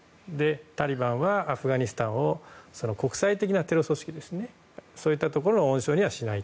タリバンはアフガニスタンを国際的なテロ組織そういったところの温床にはしない。